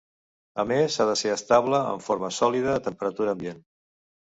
A més ha de ser estable en forma sòlida a temperatura ambient.